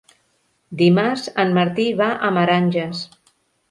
Dimarts en Martí va a Meranges.